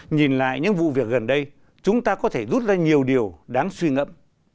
nhìn lại những vụ việc gần đây chúng ta có thể rút ra nhiều điều đáng suy ngẫm